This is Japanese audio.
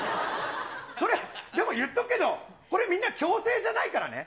でも、言っとくけど、これみんな強制じゃないからね。